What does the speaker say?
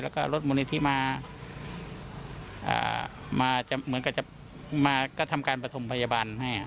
แล้วก็รถมูลนิธิมามาก็ทำการปฐมพยาบาลให้